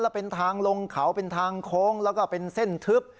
แล้วเป็นทางลงเขาเป็นทางโค้งแล้วก็เป็นเส้นทึบ